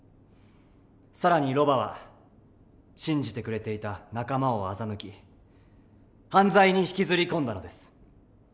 更にロバは信じてくれていた仲間を欺き犯罪に引きずり込んだのです。